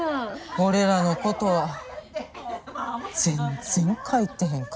俺らのことは全然書いてへんかった。